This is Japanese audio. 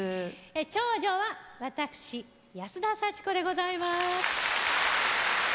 長女は私安田祥子でございます。